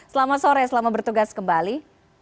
selamat sore selamat bertugas kembali